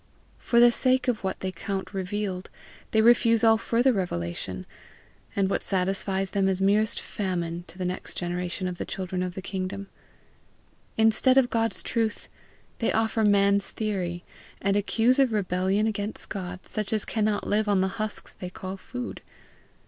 For the sake of what they count revealed, they refuse all further revelation, and what satisfies them is merest famine to the next generation of the children of the kingdom. Instead of God's truth they offer man's theory, and accuse of rebellion against God such as cannot live on the husks they call food.